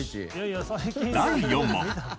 第４問。